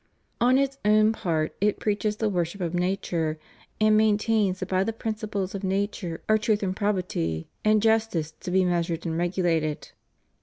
On its own part, it preaches the worship of nature, and maintains that by the principles of nature are truth and probity and justice to be meas ured and regulated.